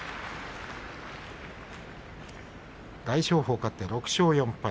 大翔鵬、勝って６勝４敗